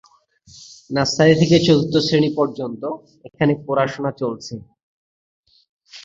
Nursery থেকে চতুর্থ শ্রেণি পর্যন্ত এখানে পড়াশোনা চলছে।